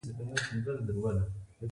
د انسان پوست د اوبو د نفوذ مخه نیسي.